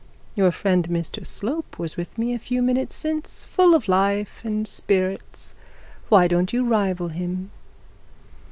Your friend Mr Slope was with me a few minutes since, full of life and spirits' why don't you rival him?'